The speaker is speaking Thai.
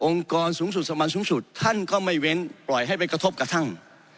กรสูงสุดสมันสูงสุดท่านก็ไม่เว้นปล่อยให้ไปกระทบกระทั่ง